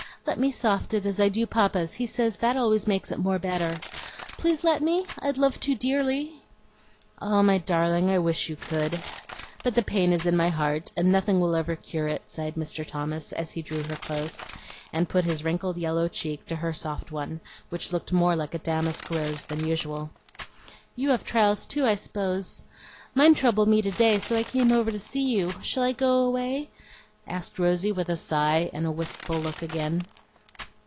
Let me soft it as I do Papa's; he says that always makes it more better. Please let me? I'd love to dearly." "Ah, my darling, I wish you could. But the pain is in my heart, and nothing will ever cure it," sighed Mr. Thomas, as he drew her close and put his wrinkled yellow cheek to her soft one, which looked more like a damask rose than usual. "You have trials too, I s'pose. Mine trouble me to day, so I came over to see you. Shall I go away?" asked Rosy with a sigh and the wistful look again.